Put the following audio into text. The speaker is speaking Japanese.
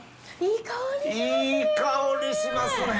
いい香りしますね。